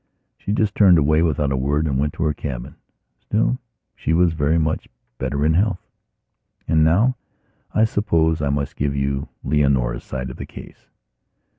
She just turned away without a word and went to her cabin. Still, she was very much better in health. And now, I suppose, I must give you Leonora's side of the case....